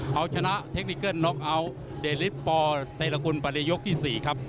เขาชนะเทคนิกเกิ้ลน็อกอัลเดริฟต์ปอเตรกุลประเด็นยกที่๔ครับ